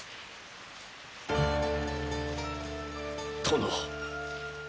殿。